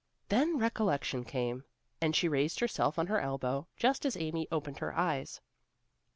Then recollection came, and she raised herself on her elbow just as Amy opened her eyes.